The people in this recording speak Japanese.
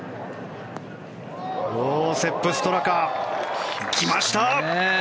セップ・ストラカ来ました！